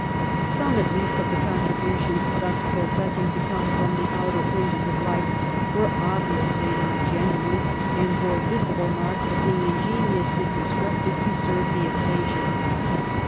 Some at least of the contributions thus professing to come from the outer fringes of life were obviously not genuine, and bore visible marks of being ingeni ously constructed to serve the occasion.